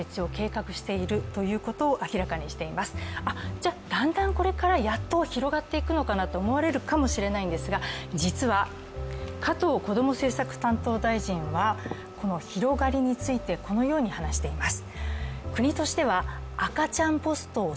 じゃ、だんだんこれからやっと広がっていくのかなと思われるかもしれないんですが、実は加藤こども政策担当大臣はこの広がりについて、このように話しています。